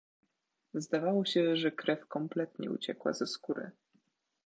"Zdawało się, że krew kompletnie uciekła ze skóry."